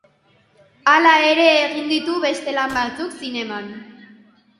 Hala ere egin ditu beste lan batzuk zineman.